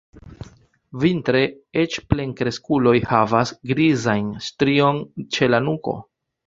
Vintre eĉ plenkreskuloj havas grizajn strion ĉe la nuko.